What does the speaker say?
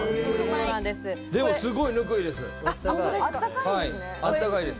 すごいぬくいです。